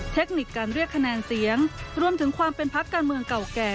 เทคนิคการเรียกคะแนนเสียงรวมถึงความเป็นพักการเมืองเก่าแก่